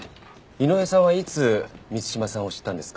井上さんはいつ満島さんを知ったんですか？